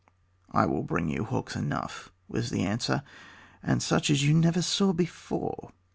"I will bring you hawks enough," was the answer, "and such as you never saw before."